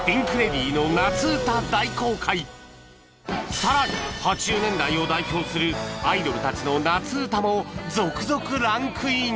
さらに８０年代を代表するアイドルたちの夏うたも続々ランクイン！